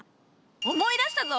思い出したぞ。